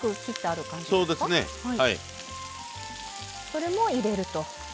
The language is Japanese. それも入れると。